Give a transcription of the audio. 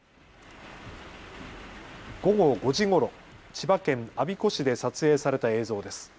午後５時ごろ、千葉県我孫子市で撮影された映像です。